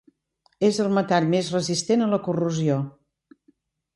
És el metall més resistent a la corrosió.